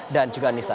dan juga nisa